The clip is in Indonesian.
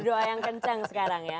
doa yang kencang sekarang ya